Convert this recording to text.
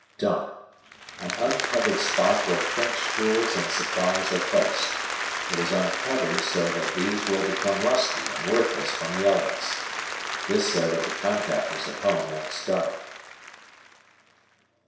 Dump. An uncovered spot where trench tools and supplies are placed. It is uncovered so that these will become rusty and worthless from the elements. This so that the contractors at home won't starve.